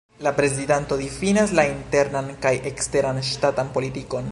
La prezidanto difinas la internan kaj eksteran ŝtatan politikon.